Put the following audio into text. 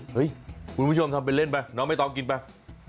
คุณผู้ชมทำเป็นเล่นไปน้องไม่ต้องกินไป